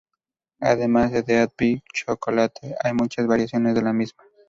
Además de Death By Chocolate, hay muchas variaciones de la misma.